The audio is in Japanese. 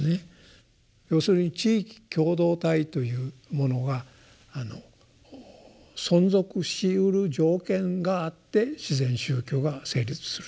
要するに地域共同体というものが存続しうる条件があって自然宗教が成立すると。